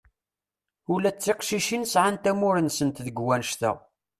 Ula d tiqcicin sɛan-t amur-nsent deg wannect-a.